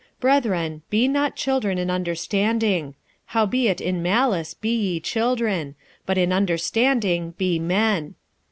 46:014:020 Brethren, be not children in understanding: howbeit in malice be ye children, but in understanding be men.